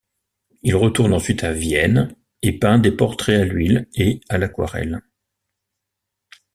Il retourne ensuite à Vienne et peint des portraits à l'huile et à l'aquarelle.